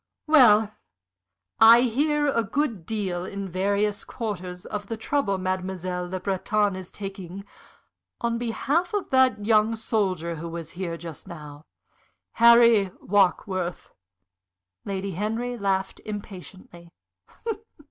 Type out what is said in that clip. "Well, I hear a good deal in various quarters of the trouble Mademoiselle Le Breton is taking on behalf of that young soldier who was here just now Harry Warkworth." Lady Henry laughed impatiently.